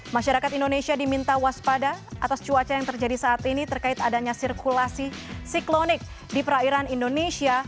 masyarakat indonesia diminta waspada atas cuaca yang terjadi saat ini terkait adanya sirkulasi siklonik di perairan indonesia